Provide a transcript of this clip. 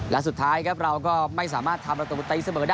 และสุดท้ายครับเราก็ไม่สามารถทำละตัวปุ๊ตัยเสมอได้นะครับ